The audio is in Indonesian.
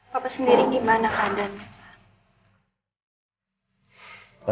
papa sendiri gimana keadaannya